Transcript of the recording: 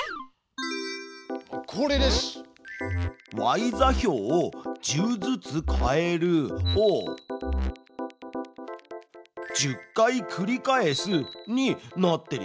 「ｙ座標を１０ずつ変える」を「１０回繰り返す」になってるよ。